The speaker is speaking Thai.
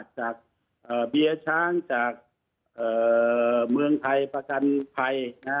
จากเบียร์ช้างจากเมืองไทยประกันภัย